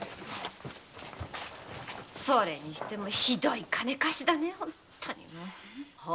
それにしてもひどい金貸しだねぇ。